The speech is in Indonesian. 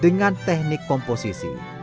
dengan teknik komposisi